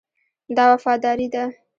دا وفاداري ده.